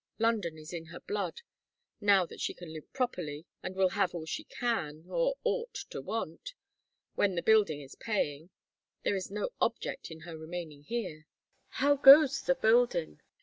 London is in her blood. Now that she can live properly will have all she can, or ought to want, when the building is paying, there is no object in her remaining here." "How goes the building?"